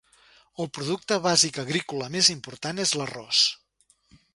El producte bàsic agrícola més important és l'arròs.